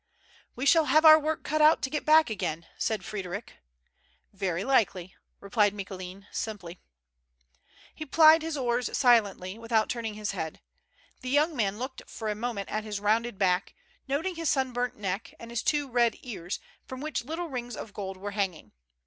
"We shall have our work cut out to get back again," said Fr^ddric. " Very likely," replied Micoulin, simply. lie plied his oars silently, without turning his head. The young man looked for a moment at his rounded back, noting his sunburnt neck and his two red ears, from which little rings of gold were hanging.